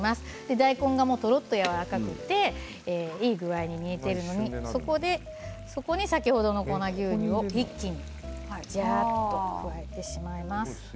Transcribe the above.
大根が、とろっとやわらかくていい具合に煮えているのでそこに先ほどの粉牛乳を一気にジャーっと入れてしまいます。